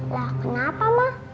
lah kenapa ma